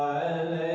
apa yang kita lakukan